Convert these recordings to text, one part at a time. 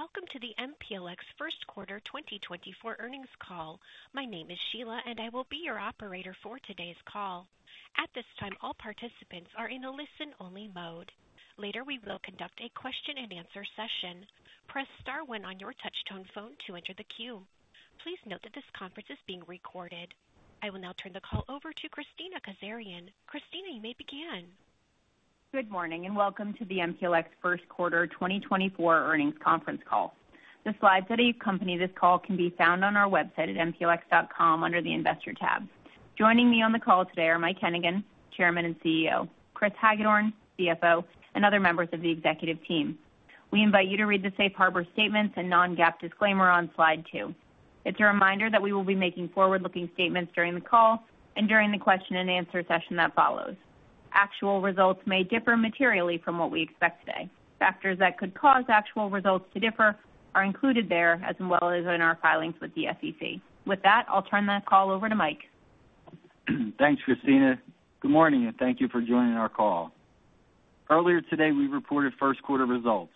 Welcome to the MPLX First Quarter 2024 Earnings Call. My name is Sheila, and I will be your operator for today's call. At this time, all participants are in a listen-only mode. Later, we will conduct a question-and-answer session. Press Star One on your touchtone phone to enter the queue. Please note that this conference is being recorded. I will now turn the call over to Kristina Kazarian. Kristina, you may begin. Good morning, and welcome to the MPLX First Quarter 2024 Earnings Conference Call. The slides that accompany this call can be found on our website at mplx.com under the Investor tab. Joining me on the call today are Mike Hennigan, Chairman and CEO, Chris Hagedorn, CFO, and other members of the executive team. We invite you to read the safe harbor statements and non-GAAP disclaimer on Slide two. It's a reminder that we will be making forward-looking statements during the call and during the question-and-answer session that follows. Actual results may differ materially from what we expect today. Factors that could cause actual results to differ are included there, as well as in our filings with the SEC. With that, I'll turn the call over to Mike. Thanks, Kristina. Good morning, and thank you for joining our call. Earlier today, we reported first quarter results.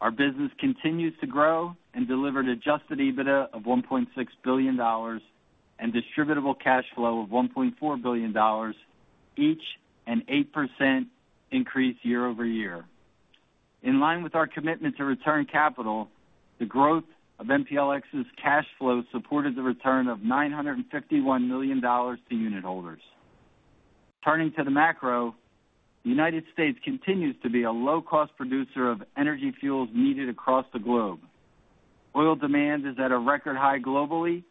Our business continues to grow and delivered Adjusted EBITDA of $1.6 billion and distributable cash flow of $1.4 billion, each an 8% increase year-over-year. In line with our commitment to return capital, the growth of MPLX's cash flow supported the return of $951 million to unit holders. Turning to the macro, the United States continues to be a low-cost producer of energy fuels needed across the globe. Oil demand is at a record high globally.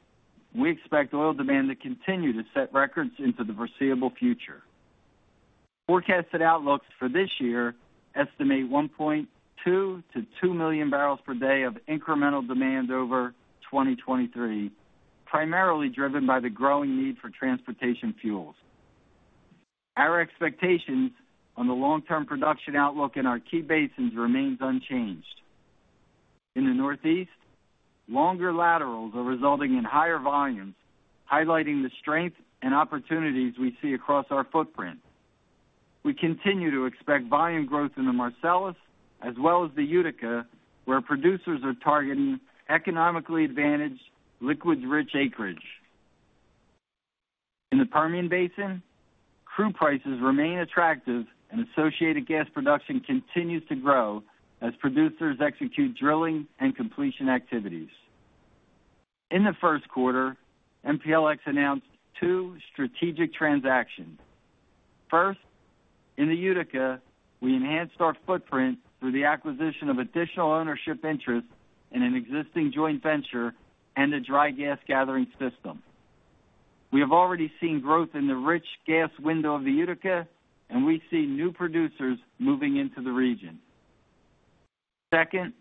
We expect oil demand to continue to set records into the foreseeable future. Forecasted outlooks for this year estimate 1.2-2 million barrels per day of incremental demand over 2023, primarily driven by the growing need for transportation fuels. Our expectations on the long-term production outlook in our key basins remains unchanged. In the Northeast, longer laterals are resulting in higher volumes, highlighting the strength and opportunities we see across our footprint. We continue to expect volume growth in the Marcellus as well as the Utica, where producers are targeting economically advantaged, liquids-rich acreage. In the Permian Basin, crude prices remain attractive and associated gas production continues to grow as producers execute drilling and completion activities. In the first quarter, MPLX announced two strategic transactions. First, in the Utica, we enhanced our footprint through the acquisition of additional ownership interest in an existing joint venture and a dry gas gathering system. We have already seen growth in the rich gas window of the Utica, and we see new producers moving into the region. Second,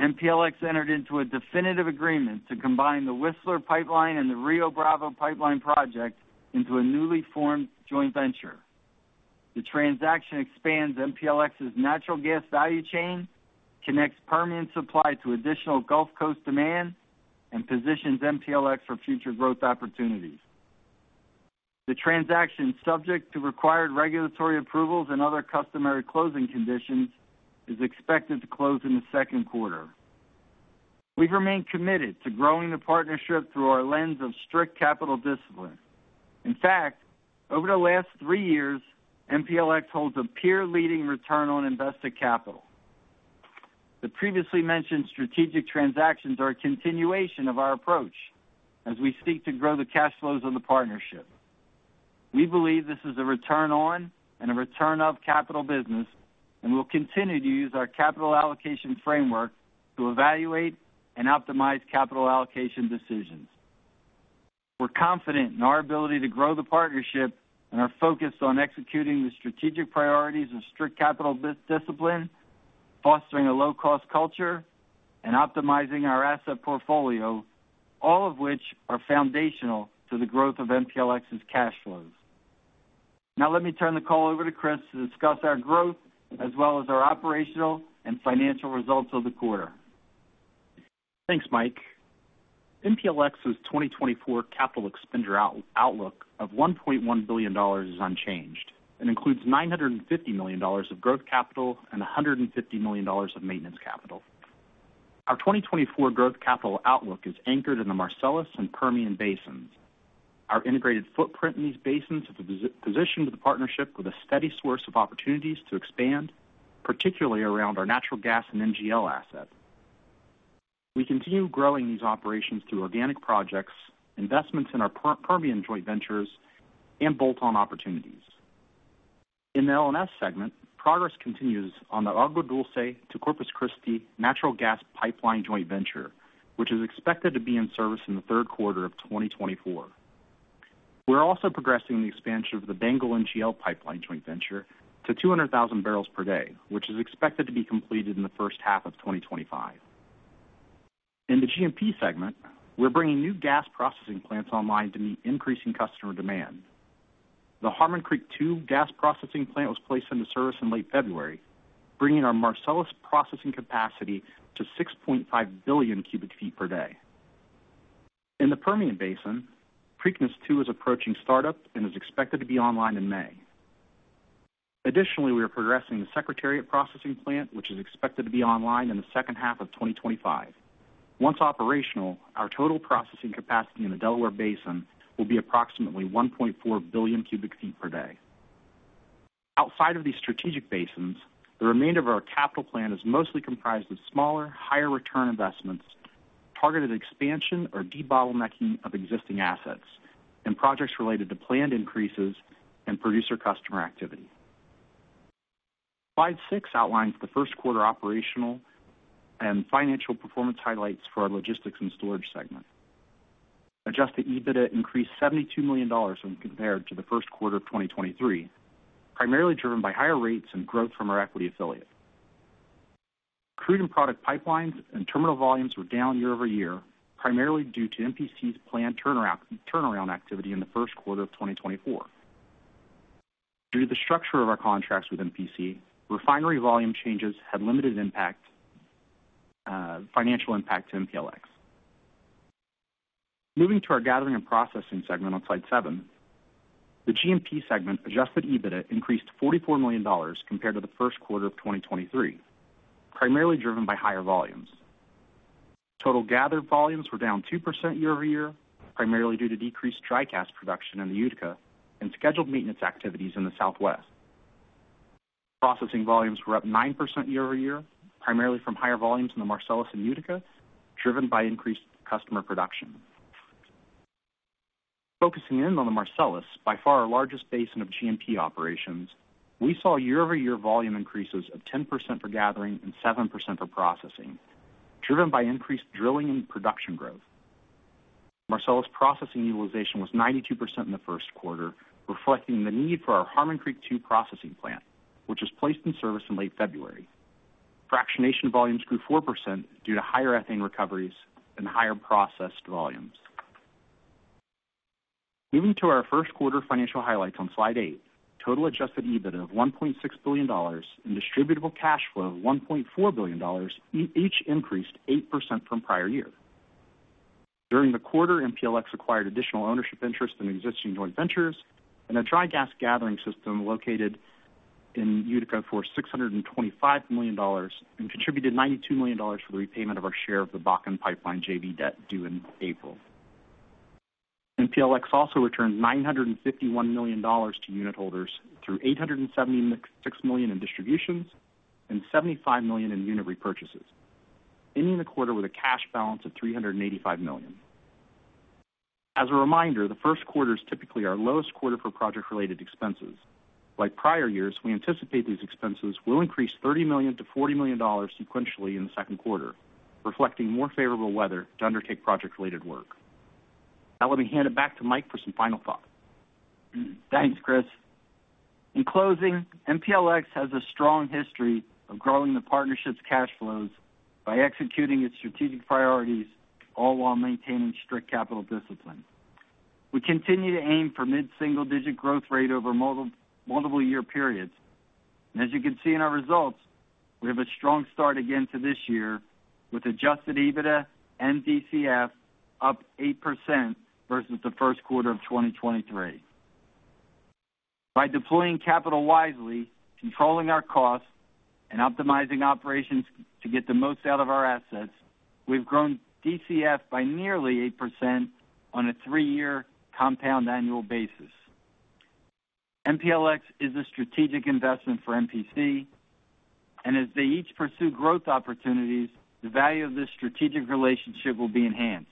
MPLX entered into a definitive agreement to combine the Whistler Pipeline and the Rio Bravo Pipeline project into a newly formed joint venture. The transaction expands MPLX's natural gas value chain, connects Permian supply to additional Gulf Coast demand, and positions MPLX for future growth opportunities. The transaction, subject to required regulatory approvals and other customary closing conditions, is expected to close in the second quarter. We've remained committed to growing the partnership through our lens of strict capital discipline. In fact, over the last three years, MPLX holds a peer-leading return on invested capital. The previously mentioned strategic transactions are a continuation of our approach as we seek to grow the cash flows of the partnership. We believe this is a return on and a return of capital business, and we'll continue to use our capital allocation framework to evaluate and optimize capital allocation decisions. We're confident in our ability to grow the partnership and are focused on executing the strategic priorities of strict capital discipline, fostering a low-cost culture, and optimizing our asset portfolio, all of which are foundational to the growth of MPLX's cash flows. Now let me turn the call over to Chris to discuss our growth as well as our operational and financial results of the quarter. Thanks, Mike. MPLX's 2024 capital expenditure outlook of $1.1 billion is unchanged and includes $950 million of growth capital and $150 million of maintenance capital. Our 2024 growth capital outlook is anchored in the Marcellus and Permian Basins. Our integrated footprint in these basins have positioned the partnership with a steady source of opportunities to expand, particularly around our natural gas and NGL assets. We continue growing these operations through organic projects, investments in our Permian joint ventures, and bolt-on opportunities. In the L&S segment, progress continues on the Agua Dulce to Corpus Christi natural gas pipeline joint venture, which is expected to be in service in the third quarter of 2024. We're also progressing the expansion of the BANGL NGL Pipeline joint venture to 200,000 barrels per day, which is expected to be completed in the first half of 2025. In the G&P segment, we're bringing new gas processing plants online to meet increasing customer demand. The Harmon Creek II gas processing plant was placed into service in late February, bringing our Marcellus processing capacity to 6.5 billion cubic feet per day. In the Permian Basin, Preakness II is approaching startup and is expected to be online in May. Additionally, we are progressing the Secretariat processing plant, which is expected to be online in the second half of 2025. Once operational, our total processing capacity in the Delaware Basin will be approximately 1.4 billion cubic feet per day. Outside of these strategic basins, the remainder of our capital plan is mostly comprised of smaller, higher return investments, targeted expansion or debottlenecking of existing assets, and projects related to planned increases in producer customer activity. Slide 6 outlines the first quarter operational and financial performance highlights for our logistics and storage segment. Adjusted EBITDA increased $72 million when compared to the first quarter of 2023, primarily driven by higher rates and growth from our equity affiliate. Crude and product pipelines and terminal volumes were down year-over-year, primarily due to MPC's planned turnaround, turnaround activity in the first quarter of 2024. Due to the structure of our contracts with MPC, refinery volume changes had limited impact, financial impact to MPLX. Moving to our gathering and processing segment on Slide seven. The G&P segment adjusted EBITDA increased $44 million compared to the first quarter of 2023, primarily driven by higher volumes. Total gathered volumes were down 2% year-over-year, primarily due to decreased dry gas production in the Utica and scheduled maintenance activities in the Southwest. Processing volumes were up 9% year-over-year, primarily from higher volumes in the Marcellus and Utica, driven by increased customer production. Focusing in on the Marcellus, by far our largest basin of G&P operations, we saw year-over-year volume increases of 10% for gathering and 7% for processing, driven by increased drilling and production growth. Marcellus processing utilization was 92% in the first quarter, reflecting the need for our Harmon Creek II processing plant, which was placed in service in late February. Fractionation volumes grew 4% due to higher ethane recoveries and higher processed volumes. Moving to our first quarter financial highlights on slide 8, total adjusted EBITDA of $1.6 billion and distributable cash flow of $1.4 billion, each increased 8% from prior year. During the quarter, MPLX acquired additional ownership interest in existing joint ventures and a dry gas gathering system located in Utica for $625 million, and contributed $92 million for the repayment of our share of the Bakken pipeline JV debt due in April. MPLX also returned $951 million to unit holders through $876 million in distributions and $75 million in unit repurchases, ending the quarter with a cash balance of $385 million. As a reminder, the first quarter is typically our lowest quarter for project-related expenses. Like prior years, we anticipate these expenses will increase $30 million-$40 million sequentially in the second quarter, reflecting more favorable weather to undertake project-related work. Now, let me hand it back to Mike for some final thoughts. Thanks, Chris. In closing, MPLX has a strong history of growing the partnership's cash flows by executing its strategic priorities, all while maintaining strict capital discipline. We continue to aim for mid-single-digit growth rate over multiple, multiple year periods, and as you can see in our results, we have a strong start again to this year, with adjusted EBITDA and DCF up 8% versus the first quarter of 2023. By deploying capital wisely, controlling our costs, and optimizing operations to get the most out of our assets, we've grown DCF by nearly 8% on a three-year compound annual basis. MPLX is a strategic investment for MPC, and as they each pursue growth opportunities, the value of this strategic relationship will be enhanced.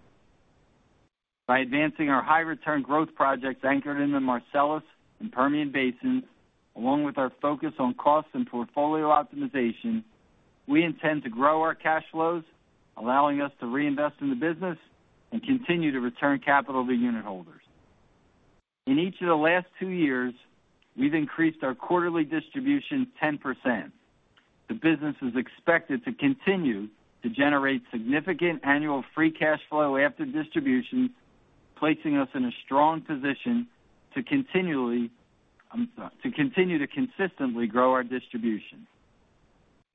By advancing our high return growth projects anchored in the Marcellus and Permian Basins, along with our focus on cost and portfolio optimization, we intend to grow our cash flows, allowing us to reinvest in the business and continue to return capital to unit holders. In each of the last two years, we've increased our quarterly distribution 10%. The business is expected to continue to generate significant annual free cash flow after distributions, placing us in a strong position to continually... I'm sorry, to continue to consistently grow our distribution.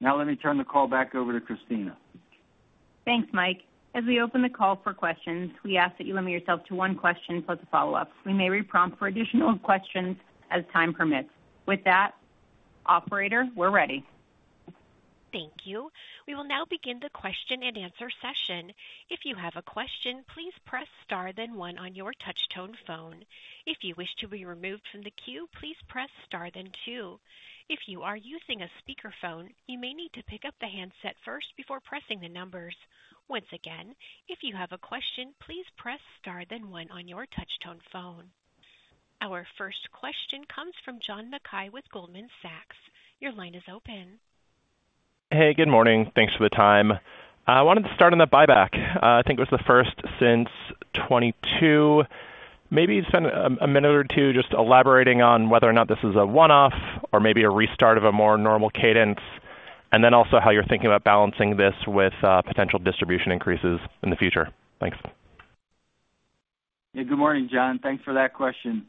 Now, let me turn the call back over to Kristina. Thanks, Mike. As we open the call for questions, we ask that you limit yourself to one question plus a follow-up. We may reprompt for additional questions as time permits. With that, operator, we're ready. Thank you. We will now begin the question-and-answer session. If you have a question, please press star then one on your touch tone phone. If you wish to be removed from the queue, please press star then two. If you are using a speakerphone, you may need to pick up the handset first before pressing the numbers. Once again, if you have a question, please press star then one on your touch tone phone. Our first question comes from John Mackay with Goldman Sachs. Your line is open. Hey, good morning. Thanks for the time. I wanted to start on the buyback. I think it was the first since 2022. Maybe spend a minute or two just elaborating on whether or not this is a one-off or maybe a restart of a more normal cadence, and then also how you're thinking about balancing this with potential distribution increases in the future. Thanks. Yeah, good morning, John. Thanks for that question.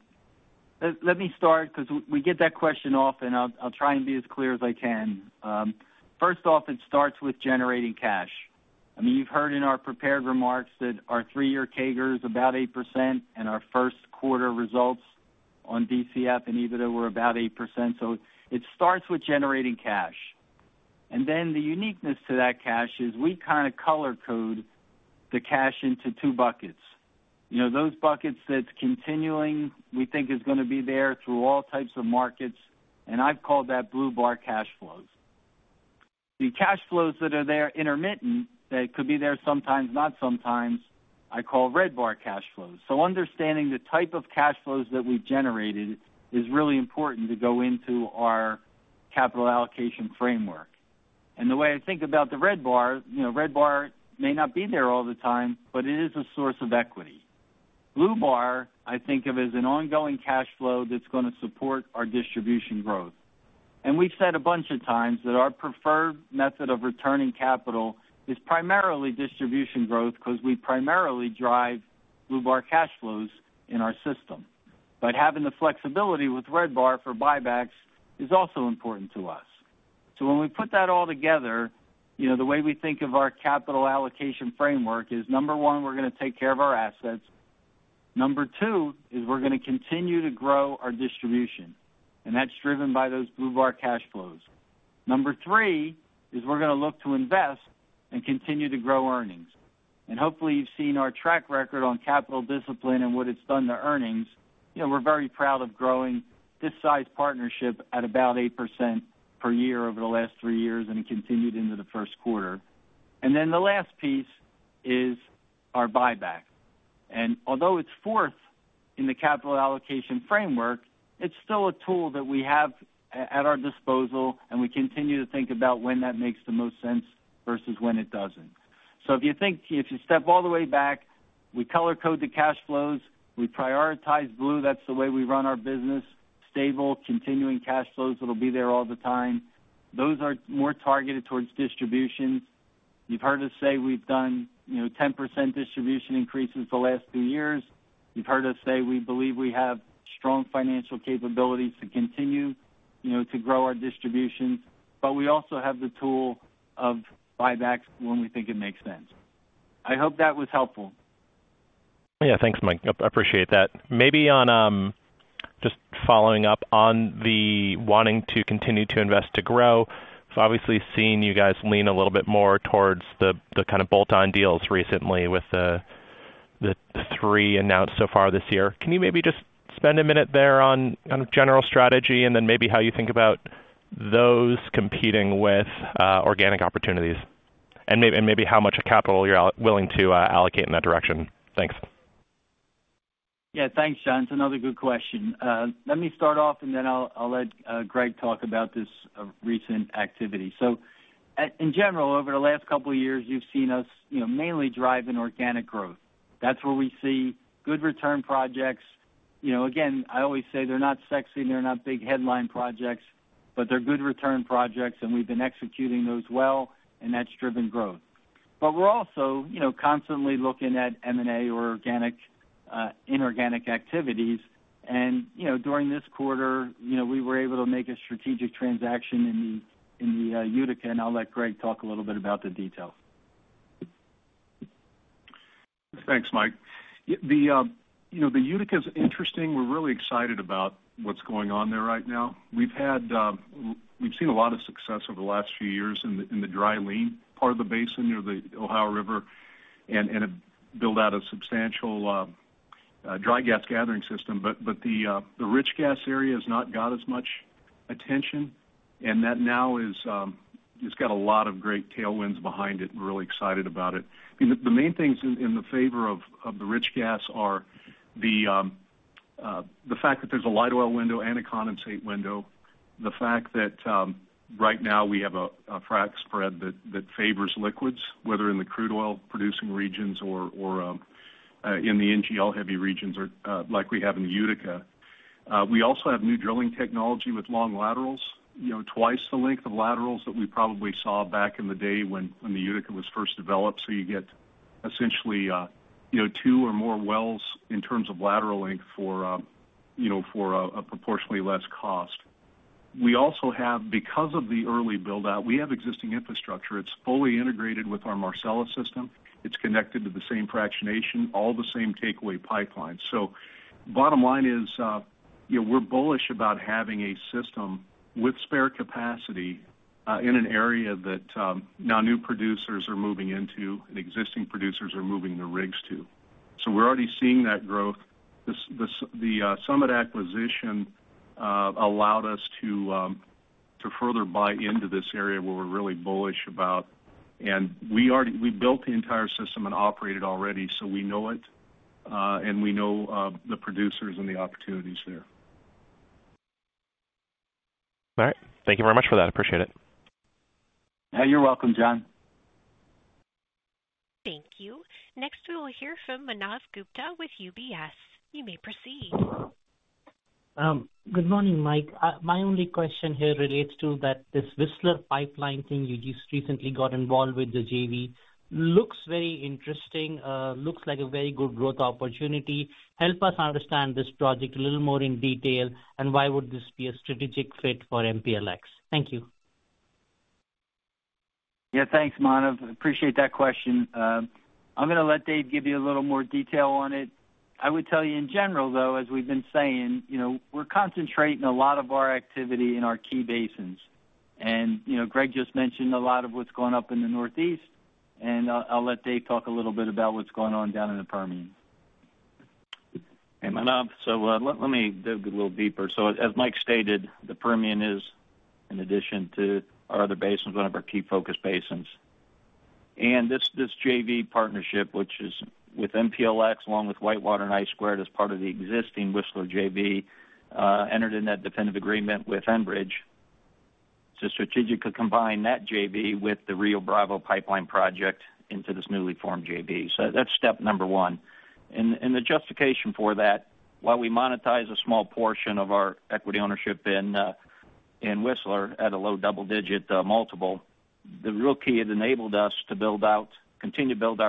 Let me start because we get that question often. I'll try and be as clear as I can. First off, it starts with generating cash. I mean, you've heard in our prepared remarks that our three-year CAGR is about 8%, and our first quarter results on DCF and EBITDA were about 8%. So it starts with generating cash. And then the uniqueness to that cash is we kind of color code the cash into two buckets. You know, those buckets that's continuing, we think is gonna be there through all types of markets, and I've called that blue bar cash flows. The cash flows that are there intermittent, that could be there sometimes, not sometimes, I call red bar cash flows. So understanding the type of cash flows that we've generated is really important to go into our capital allocation framework. The way I think about the red bar, you know, red bar may not be there all the time, but it is a source of equity. Blue bar, I think of as an ongoing cash flow that's gonna support our distribution growth. We've said a bunch of times that our preferred method of returning capital is primarily distribution growth because we primarily drive blue bar cash flows in our system. Having the flexibility with red bar for buybacks is also important to us. When we put that all together, you know, the way we think of our capital allocation framework is, number one, we're gonna take care of our assets. Number two is we're gonna continue to grow our distribution, and that's driven by those blue bar cash flows. Number three is we're gonna look to invest and continue to grow earnings. And hopefully, you've seen our track record on capital discipline and what it's done to earnings. You know, we're very proud of growing this size partnership at about 8% per year over the last three years, and it continued into the first quarter. And then the last piece is our buyback. And although it's fourth in the capital allocation framework, it's still a tool that we have at our disposal, and we continue to think about when that makes the most sense versus when it doesn't. So if you step all the way back, we color code the cash flows, we prioritize blue. That's the way we run our business. Stable, continuing cash flows that'll be there all the time. Those are more targeted towards distributions. You've heard us say we've done, you know, 10% distribution increases the last two years. You've heard us say we believe we have strong financial capabilities to continue, you know, to grow our distributions, but we also have the tool of buybacks when we think it makes sense. I hope that was helpful. Yeah. Thanks, Mike. I appreciate that. Maybe on just following up on the wanting to continue to invest to grow. So obviously seeing you guys lean a little bit more towards the kind of bolt-on deals recently with the three announced so far this year. Can you maybe just spend a minute there on general strategy and then maybe how you think about those competing with organic opportunities? And maybe how much capital you're willing to allocate in that direction. Thanks. Yeah, thanks, John. It's another good question. Let me start off, and then I'll let Greg talk about this recent activity. So, in general, over the last couple of years, you've seen us, you know, mainly drive in organic growth. That's where we see good return projects. You know, again, I always say they're not sexy, they're not big headline projects, but they're good return projects, and we've been executing those well, and that's driven growth. But we're also, you know, constantly looking at M&A or organic, inorganic activities. And, you know, during this quarter, you know, we were able to make a strategic transaction in the Utica, and I'll let Greg talk a little bit about the details. Thanks, Mike. You know, the Utica is interesting. We're really excited about what's going on there right now. We've had. We've seen a lot of success over the last few years in the dry lean part of the basin near the Ohio River, and we've built out a substantial dry gas gathering system. But the rich gas area has not got as much attention, and that now is, it's got a lot of great tailwinds behind it. We're really excited about it. The main things in the favor of the rich gas are the fact that there's a light oil window and a condensate window. The fact that right now we have a frack spread that favors liquids, whether in the crude oil-producing regions or in the NGL-heavy regions or like we have in the Utica. We also have new drilling technology with long laterals, you know, twice the length of laterals that we probably saw back in the day when the Utica was first developed. So you get essentially you know two or more wells in terms of lateral length for you know for a proportionally less cost. We also have, because of the early build-out, we have existing infrastructure. It's fully integrated with our Marcellus system. It's connected to the same fractionation, all the same takeaway pipelines. So bottom line is, you know, we're bullish about having a system with spare capacity in an area that now new producers are moving into and existing producers are moving their rigs to. So we're already seeing that growth. This, the Summit acquisition allowed us to to further buy into this area where we're really bullish about. And we already... We built the entire system and operate it already, so we know it and we know the producers and the opportunities there. All right. Thank you very much for that. I appreciate it. You're welcome, John. Thank you. Next, we will hear from Manav Gupta with UBS. You may proceed. Good morning, Mike. My only question here relates to that, this Whistler Pipeline thing you just recently got involved with, the JV. Looks very interesting, looks like a very good growth opportunity. Help us understand this project a little more in detail, and why would this be a strategic fit for MPLX? Thank you.... Yeah, thanks, Manav. Appreciate that question. I'm gonna let Dave give you a little more detail on it. I would tell you in general, though, as we've been saying, you know, we're concentrating a lot of our activity in our key basins. And, you know, Greg just mentioned a lot of what's going up in the Northeast, and I'll let Dave talk a little bit about what's going on down in the Permian. Hey, Manav. So, let me dig a little deeper. So as Mike stated, the Permian is, in addition to our other basins, one of our key focus basins. And this JV partnership, which is with MPLX, along with WhiteWater and I Squared, as part of the existing Whistler JV, entered in that definitive agreement with Enbridge to strategically combine that JV with the Rio Bravo Pipeline project into this newly formed JV. So that's step number one. And the justification for that, while we monetize a small portion of our equity ownership in Whistler at a low double-digit multiple, the real key, it enabled us to build out, continue to build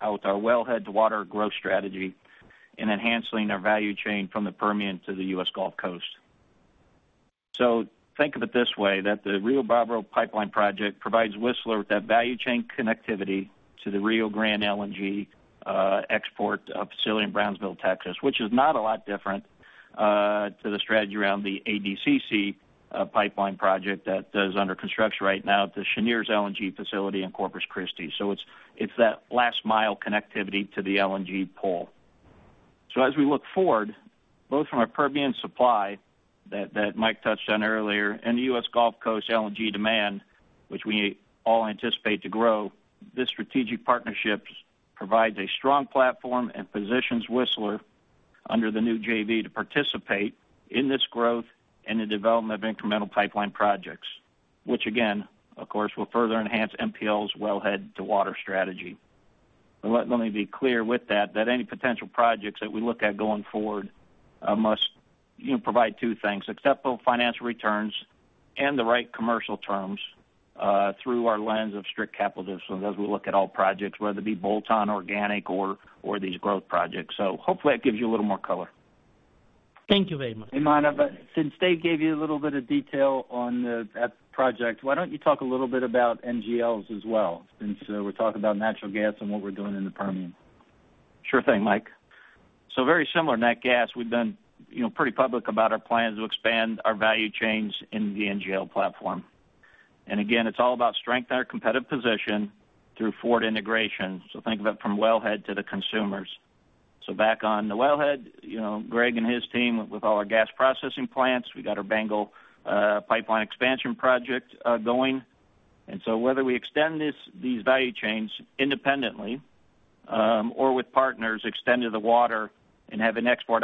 out our wellhead to water growth strategy in enhancing our value chain from the Permian to the U.S. Gulf Coast. So think of it this way, that the Rio Bravo Pipeline project provides Whistler with that value chain connectivity to the Rio Grande LNG export facility in Brownsville, Texas, which is not a lot different to the strategy around the ADCC pipeline project that is under construction right now at Cheniere's LNG facility in Corpus Christi. So it's, it's that last mile connectivity to the LNG port. So as we look forward, both from a Permian supply that, that Mike touched on earlier, and the U.S. Gulf Coast LNG demand, which we all anticipate to grow, this strategic partnerships provides a strong platform and positions Whistler under the new JV to participate in this growth and the development of incremental pipeline projects, which again, of course, will further enhance MPLX's wellhead to water strategy. But let me be clear with that, any potential projects that we look at going forward must, you know, provide two things: acceptable financial returns and the right commercial terms through our lens of strict capital discipline as we look at all projects, whether it be bolt-on, organic, or these growth projects. So hopefully, that gives you a little more color. Thank you very much. Hey, Manav, since Dave gave you a little bit of detail on that project, why don't you talk a little bit about NGLs as well, since we're talking about natural gas and what we're doing in the Permian? Sure thing, Mike. So very similar to nat gas, we've been, you know, pretty public about our plans to expand our value chains in the NGL platform. And again, it's all about strengthening our competitive position through forward integration. So think of it from wellhead to the consumers. So back on the wellhead, you know, Greg and his team, with all our gas processing plants, we got our BANGL pipeline expansion project going. And so whether we extend these value chains independently or with partners, extend to the water and have an export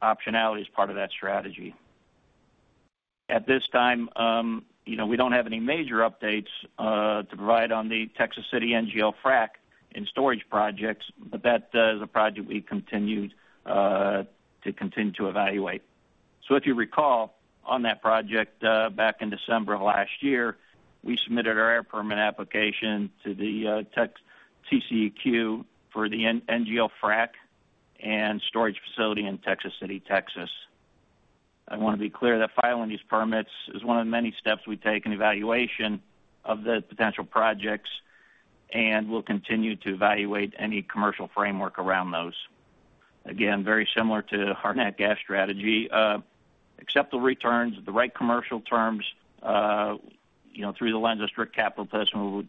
optionality as part of that strategy. At this time, you know, we don't have any major updates to provide on the Texas City NGL Frac and storage projects, but that is a project we continue to continue to evaluate. So if you recall, on that project, back in December of last year, we submitted our air permit application to the TCEQ for the NGL Frac and storage facility in Texas City, Texas. I want to be clear that filing these permits is one of the many steps we take in evaluation of the potential projects, and we'll continue to evaluate any commercial framework around those. Again, very similar to our nat gas strategy, acceptable returns at the right commercial terms, you know, through the lens of strict capital investment,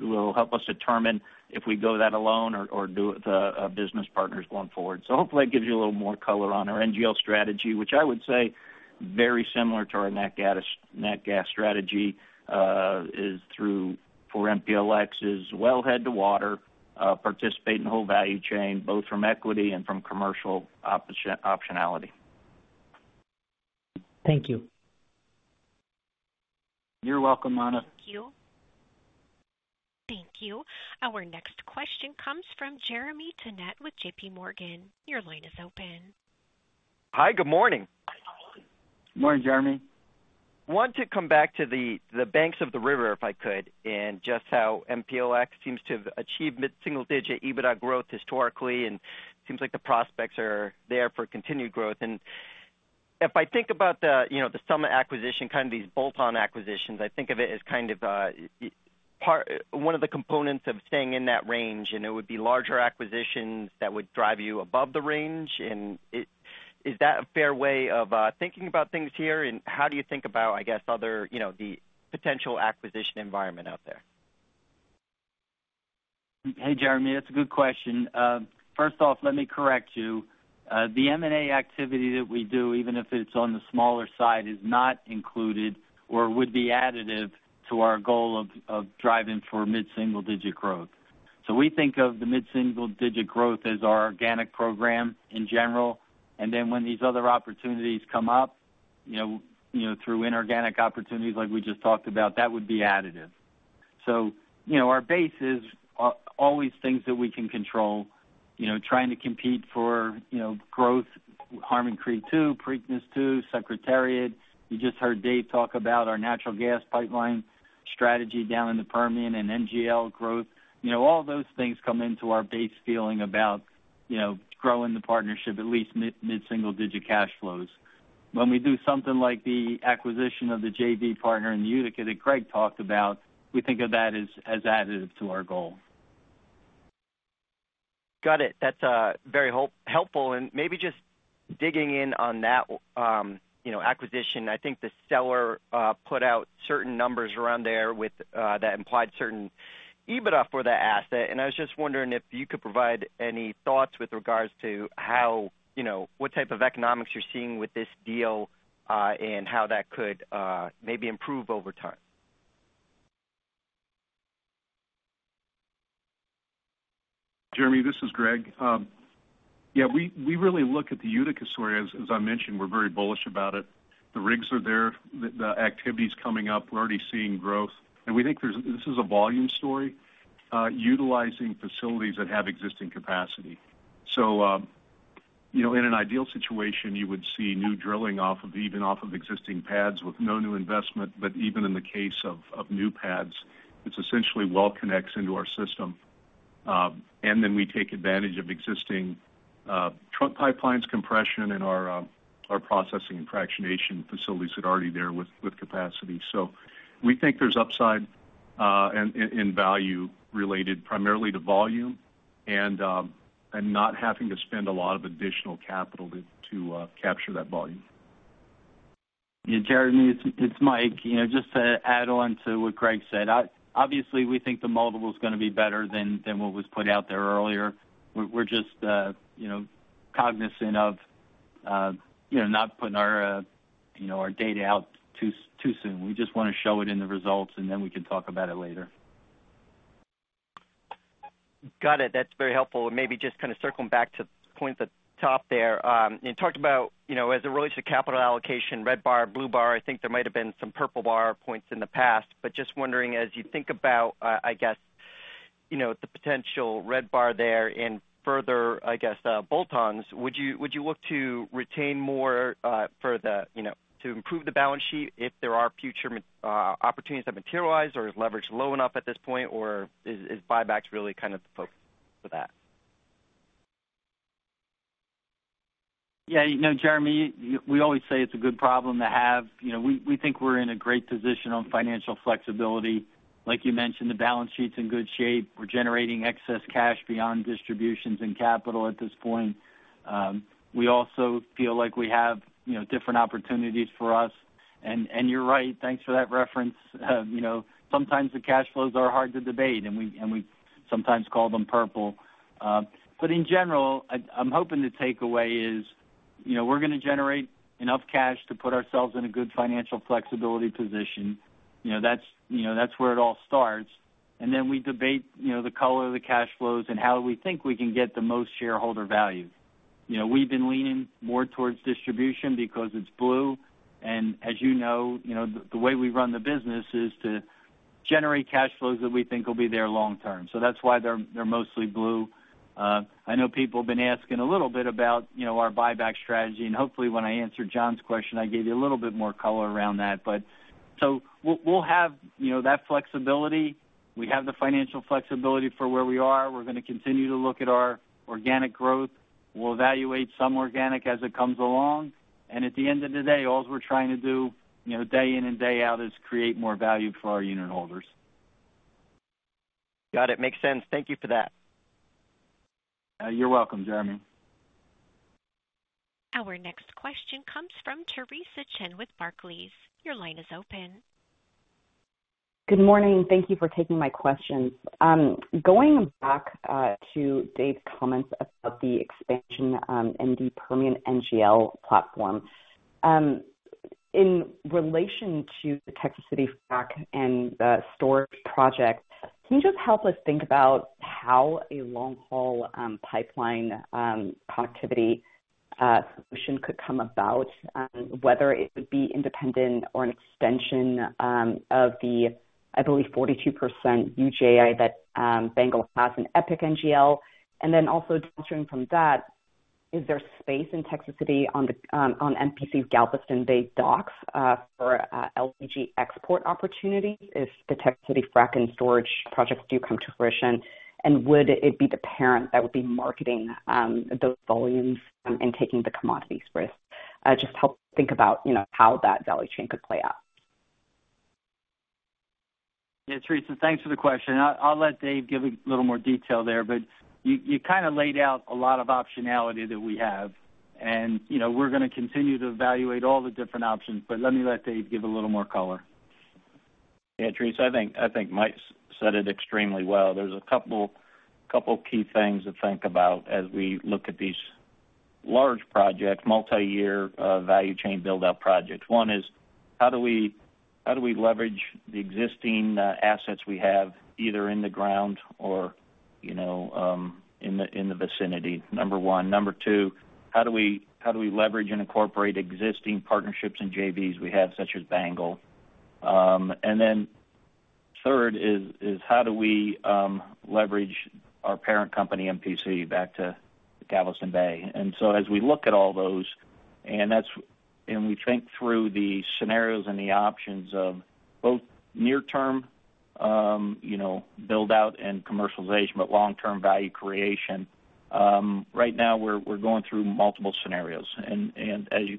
will help us determine if we go that alone or do it with business partners going forward. Hopefully, that gives you a little more color on our NGL strategy, which I would say very similar to our nat gas, nat gas strategy, is through, for MPLX's wellhead to water, participate in the whole value chain, both from equity and from commercial optionality. Thank you. You're welcome, Manav. Thank you. Thank you. Our next question comes from Jeremy Tonet with JP Morgan. Your line is open. Hi, good morning. Morning, Jeremy. I want to come back to the banks of the river, if I could, and just how MPLX seems to have achieved mid-single digit EBITDA growth historically, and seems like the prospects are there for continued growth. And if I think about the, you know, the Summit acquisition, kind of these bolt-on acquisitions, I think of it as kind of, part one of the components of staying in that range, and it would be larger acquisitions that would drive you above the range. And is that a fair way of thinking about things here? And how do you think about, I guess, other, you know, the potential acquisition environment out there? Hey, Jeremy, that's a good question. First off, let me correct you. The M&A activity that we do, even if it's on the smaller side, is not included or would be additive to our goal of driving for mid-single digit growth. So we think of the mid-single digit growth as our organic program in general. And then when these other opportunities come up, you know, you know, through inorganic opportunities like we just talked about, that would be additive. So, you know, our base is always things that we can control. You know, trying to compete for, you know, growth, Harmon Creek II, Preakness II, Secretariat. You just heard Dave talk about our natural gas pipeline strategy down in the Permian and NGL growth. You know, all those things come into our base feeling about, you know, growing the partnership at least mid, mid-single digit cash flows.... When we do something like the acquisition of the JV partner in Utica that Greg talked about, we think of that as additive to our goal. Got it. That's very helpful. And maybe just digging in on that, you know, acquisition, I think the seller put out certain numbers around there with that implied certain EBITDA for that asset. And I was just wondering if you could provide any thoughts with regards to how, you know, what type of economics you're seeing with this deal, and how that could maybe improve over time. Jeremy, this is Greg. Yeah, we really look at the Utica story, as I mentioned, we're very bullish about it. The rigs are there, the activity's coming up. We're already seeing growth, and we think there's this is a volume story, utilizing facilities that have existing capacity. So, you know, in an ideal situation, you would see new drilling off of even off of existing pads with no new investment. But even in the case of new pads, it's essentially well connects into our system. And then we take advantage of existing trunk pipelines, compression, and our processing and fractionation facilities that are already there with capacity. So we think there's upside in value related primarily to volume and not having to spend a lot of additional capital to capture that volume. Yeah, Jeremy, it's Mike. You know, just to add on to what Greg said, I obviously think the multiple is going to be better than what was put out there earlier. We're just, you know, cognizant of, you know, not putting our, you know, our data out too soon. We just wanna show it in the results, and then we can talk about it later. Got it. That's very helpful. And maybe just kind of circling back to the point at the top there. You talked about, you know, as it relates to capital allocation, red bar, blue bar, I think there might have been some purple bar points in the past. But just wondering, as you think about, I guess, you know, the potential red bar there and further, I guess, bolt-ons, would you, would you look to retain more, for the, you know, to improve the balance sheet if there are future opportunities that materialize, or is leverage low enough at this point, or is, is buybacks really kind of the focus for that? Yeah, you know, Jeremy, we always say it's a good problem to have. You know, we think we're in a great position on financial flexibility. Like you mentioned, the balance sheet's in good shape. We're generating excess cash beyond distributions and capital at this point. We also feel like we have, you know, different opportunities for us. And you're right, thanks for that reference. You know, sometimes the cash flows are hard to debate, and we sometimes call them purple. But in general, I'm hoping the takeaway is, you know, we're going to generate enough cash to put ourselves in a good financial flexibility position. You know, that's where it all starts. And then we debate, you know, the color of the cash flows and how we think we can get the most shareholder value. You know, we've been leaning more towards distribution because it's blue, and as you know, you know, the way we run the business is to generate cash flows that we think will be there long term. So that's why they're, they're mostly blue. I know people have been asking a little bit about, you know, our buyback strategy, and hopefully, when I answered John's question, I gave you a little bit more color around that. But so we'll, we'll have, you know, that flexibility. We have the financial flexibility for where we are. We're going to continue to look at our organic growth. We'll evaluate some organic as it comes along. And at the end of the day, alls we're trying to do, you know, day in and day out, is create more value for our unit holders. Got it. Makes sense. Thank you for that. You're welcome, Jeremy. Our next question comes from Teresa Chen with Barclays. Your line is open. Good morning, and thank you for taking my questions. Going back to Dave's comments about the expansion in the Permian NGL platform. In relation to the Texas City frac and the storage project, can you just help us think about how a long-haul pipeline connectivity solution could come about? Whether it would be independent or an extension of the, I believe, 42% UJI that BANGL has in EPIC NGL. And then also downstream from that, is there space in Texas City on MPC's Galveston Bay docks for LPG export opportunities if the Texas City frac and storage projects do come to fruition? And would it be the parent that would be marketing those volumes and taking the commodities risk? Just help think about, you know, how that value chain could play out. Yeah, Teresa, thanks for the question. I'll, I'll let Dave give a little more detail there, but you, you kind of laid out a lot of optionality that we have. And, you know, we're gonna continue to evaluate all the different options, but let me let Dave give a little more color. Yeah, Teresa, I think, I think Mike said it extremely well. There's a couple, couple key things to think about as we look at these large projects, multiyear, value chain build-out projects. One is, how do we, how do we leverage the existing, assets we have, either in the ground or, you know, in the, in the vicinity? Number one. Number two, how do we, how do we leverage and incorporate existing partnerships and JVs we have, such as BANGL? And then third is, is how do we, leverage our parent company, MPC, back to Galveston Bay? And so as we look at all those, and that's, and we think through the scenarios and the options of both near-term... you know, build out and commercialization, but long-term value creation. Right now, we're going through multiple scenarios. And as you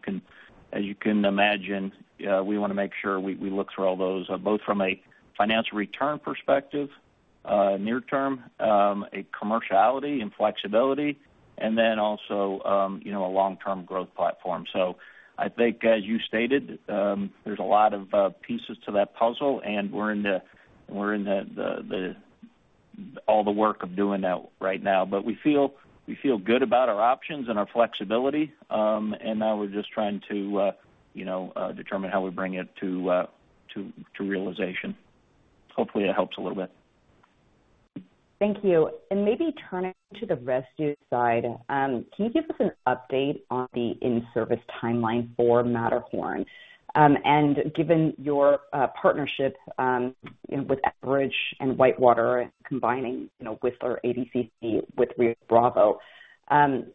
can imagine, we wanna make sure we look through all those, both from a financial return perspective, near term, commerciality and flexibility, and then also, you know, a long-term growth platform. So I think, as you stated, there's a lot of pieces to that puzzle, and we're in all the work of doing that right now. But we feel good about our options and our flexibility, and now we're just trying to, you know, determine how we bring it to realization. Hopefully, that helps a little bit. Thank you. Maybe turning to the residue side, can you give us an update on the in-service timeline for Matterhorn? Given your partnership, you know, with Enbridge and WhiteWater combining, you know, with our ADCC, with Rio Bravo,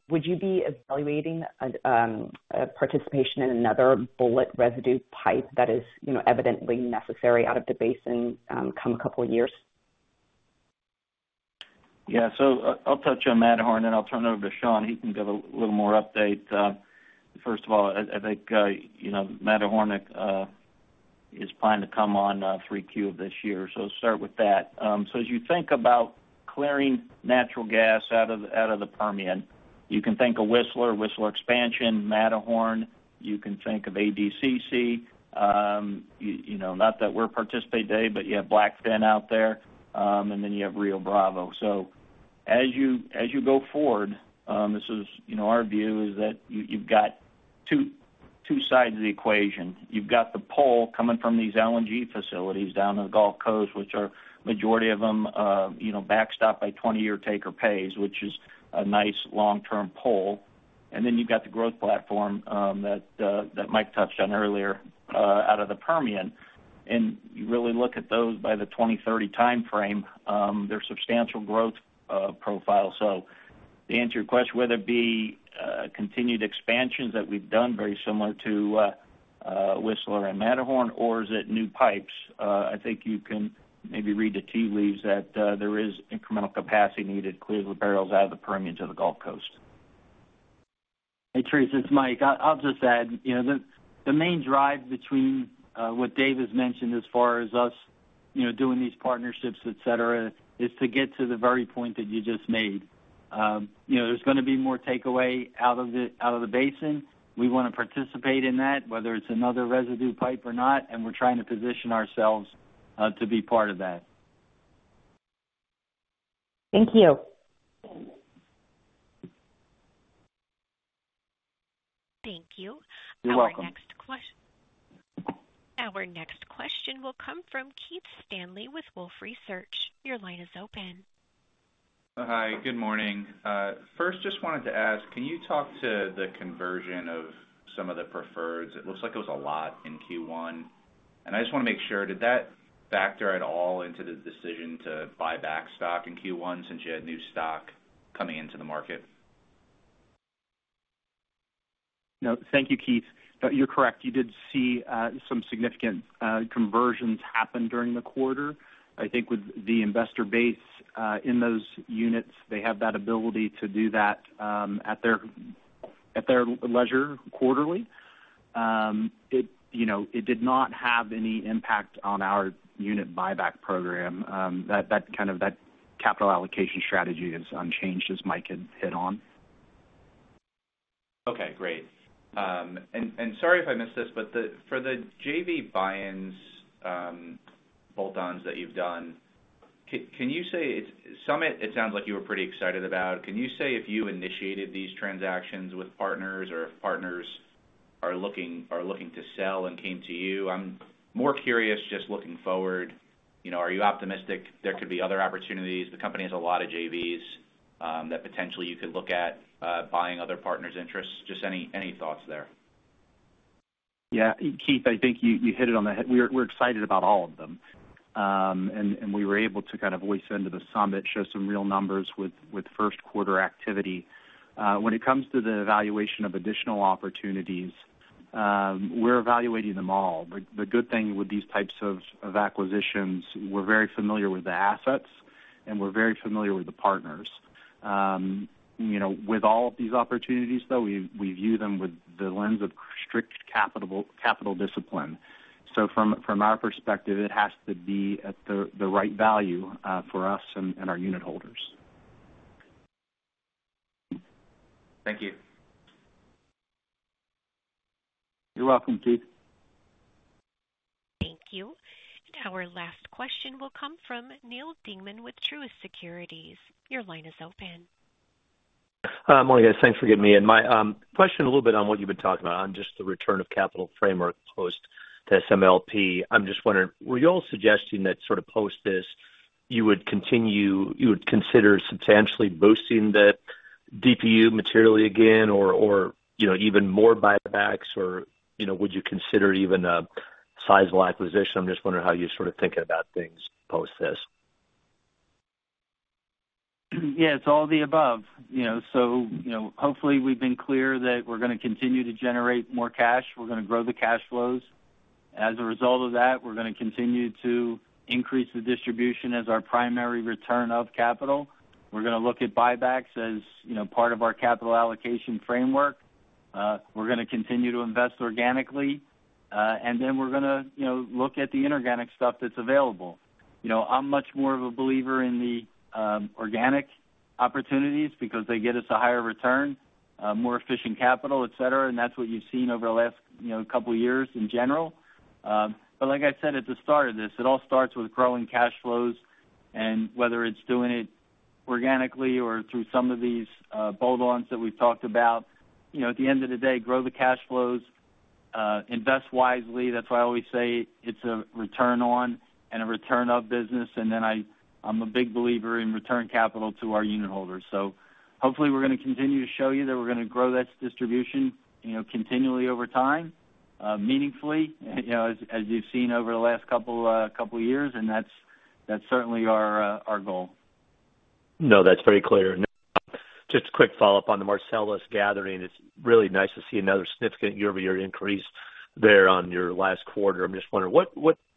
would you be evaluating a participation in another bullet residue pipe that is, you know, evidently necessary out of the basin, come a couple of years? Yeah. So I'll touch on Matterhorn, and I'll turn it over to Shawn. He can give a little more update. First of all, I think you know, Matterhorn is planned to come on Q3 of this year, so start with that. So as you think about clearing natural gas out of the Permian, you can think of Whistler, Whistler expansion, Matterhorn. You can think of ADCC, you know, not that we're participating today, but you have Blackfin out there, and then you have Rio Bravo. So as you go forward, this is, you know, our view is that you've got two sides of the equation. You've got the pull coming from these LNG facilities down in the Gulf Coast, which are majority of them, you know, backstopped by 20 years take-or-pay, which is a nice long-term pull. Then you've got the growth platform, that, that Mike touched on earlier, out of the Permian. And you really look at those by the 2030 timeframe, they're substantial growth, profile. So to answer your question, whether it be, continued expansions that we've done, very similar to, Whistler and Matterhorn, or is it new pipes? I think you can maybe read the tea leaves that, there is incremental capacity needed to clear the barrels out of the Permian to the Gulf Coast. Hey, Teresa, it's Mike. I'll just add, you know, the main drive between what Dave has mentioned as far as us, you know, doing these partnerships, et cetera, is to get to the very point that you just made. You know, there's gonna be more takeaway out of the basin. We want to participate in that, whether it's another residue pipe or not, and we're trying to position ourselves to be part of that. Thank you. Thank you. You're welcome. Our next question will come from Keith Stanley with Wolfe Research. Your line is open. Hi, good morning. First, just wanted to ask, can you talk to the conversion of some of the preferreds? It looks like it was a lot in Q1. I just wanna make sure, did that factor at all into the decision to buy back stock in Q1, since you had new stock coming into the market? No. Thank you, Keith. You're correct. You did see some significant conversions happen during the quarter. I think with the investor base in those units, they have that ability to do that at their leisure quarterly. It, you know, it did not have any impact on our unit buyback program. That, that kind of that capital allocation strategy is unchanged, as Mike hit on. Okay, great. Sorry if I missed this, but for the JV buy-ins, bolt-ons that you've done, can you say... Summit, it sounds like you were pretty excited about. Can you say if you initiated these transactions with partners or if partners are looking to sell and came to you? I'm more curious, just looking forward, you know, are you optimistic there could be other opportunities? The company has a lot of JVs that potentially you could look at buying other partners' interests. Just any thoughts there? Yeah. Keith, I think you hit it on the head. We're excited about all of them. We were able to kind of voice into the Summit, show some real numbers with first quarter activity. When it comes to the evaluation of additional opportunities, we're evaluating them all. The good thing with these types of acquisitions, we're very familiar with the assets, and we're very familiar with the partners. You know, with all of these opportunities, though, we view them with the lens of strict capital discipline. So from our perspective, it has to be at the right value for us and our unit holders. Thank you. You're welcome, Keith. Thank you. And our last question will come from Neil Dingmann with Truist Securities. Your line is open. Hi, morning, guys. Thanks for getting me in. My question a little bit on what you've been talking about, on just the return of capital framework post to SMLP. I'm just wondering, were you all suggesting that sort of post this, you would continue—you would consider substantially boosting the DPU materially again, or, or, you know, even more buybacks? Or, you know, would you consider even a sizable acquisition? I'm just wondering how you're sort of thinking about things post this. ... Yeah, it's all of the above. You know, so, you know, hopefully, we've been clear that we're going to continue to generate more cash. We're going to grow the cash flows. As a result of that, we're going to continue to increase the distribution as our primary return of capital. We're going to look at buybacks as, you know, part of our capital allocation framework. We're going to continue to invest organically, and then we're going to, you know, look at the inorganic stuff that's available. You know, I'm much more of a believer in the organic opportunities because they get us a higher return, more efficient capital, et cetera, and that's what you've seen over the last, you know, couple years in general. But like I said at the start of this, it all starts with growing cash flows and whether it's doing it organically or through some of these bolt-ons that we've talked about. You know, at the end of the day, grow the cash flows, invest wisely. That's why I always say it's a return on and a return of business, and then I'm a big believer in return capital to our unit holders. So hopefully, we're going to continue to show you that we're going to grow this distribution, you know, continually over time, meaningfully, you know, as you've seen over the last couple couple years, and that's certainly our goal. No, that's very clear. Just a quick follow-up on the Marcellus gathering. It's really nice to see another significant year-over-year increase there on your last quarter. I'm just wondering,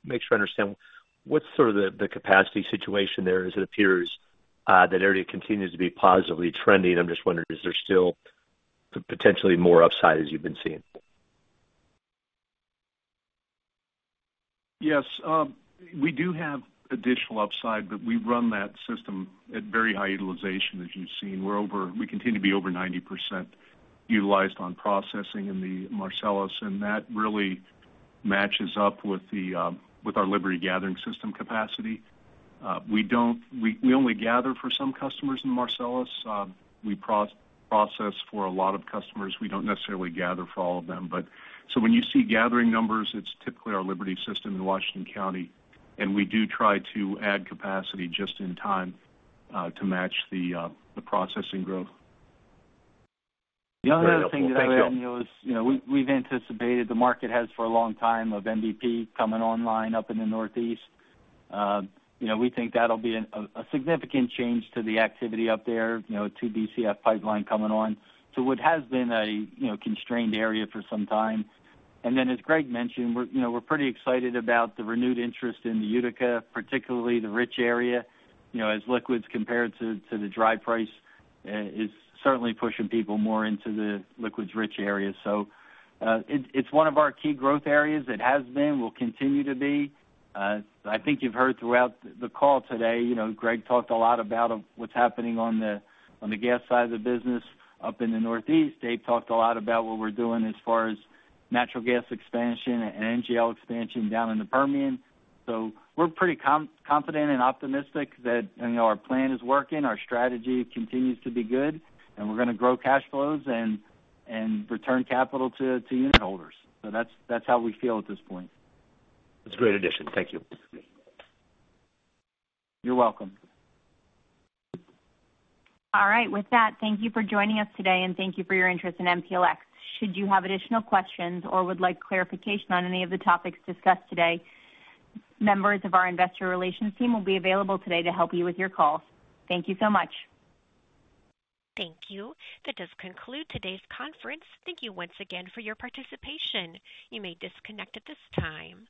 make sure I understand, what's sort of the capacity situation there, as it appears that area continues to be positively trending? I'm just wondering, is there still potentially more upside as you've been seeing? Yes, we do have additional upside, but we run that system at very high utilization, as you've seen. We're over 90% utilized on processing in the Marcellus, and that really matches up with our Liberty Gathering System capacity. We don't. We only gather for some customers in Marcellus. We process for a lot of customers. We don't necessarily gather for all of them. But so when you see gathering numbers, it's typically our Liberty System in Washington County, and we do try to add capacity just in time to match the processing growth. The other thing that I would add, you know, is, you know, we, we've anticipated, the market has for a long time, of MVP coming online up in the Northeast. You know, we think that'll be a significant change to the activity up there, you know, two BCF pipeline coming on. So what has been a, you know, constrained area for some time, and then, as Greg mentioned, we're, you know, we're pretty excited about the renewed interest in the Utica, particularly the rich area, you know, as liquids compared to, to the dry price, is certainly pushing people more into the liquids-rich area. So, it, it's one of our key growth areas. It has been, will continue to be. I think you've heard throughout the call today, you know, Greg talked a lot about what's happening on the gas side of the business up in the Northeast. Dave talked a lot about what we're doing as far as natural gas expansion and NGL expansion down in the Permian. So we're pretty confident and optimistic that, you know, our plan is working, our strategy continues to be good, and we're going to grow cash flows and return capital to unit holders. So that's how we feel at this point. That's a great addition. Thank you. You're welcome. All right. With that, thank you for joining us today, and thank you for your interest in MPLX. Should you have additional questions or would like clarification on any of the topics discussed today, members of our investor relations team will be available today to help you with your calls. Thank you so much. Thank you. That does conclude today's conference. Thank you once again for your participation. You may disconnect at this time.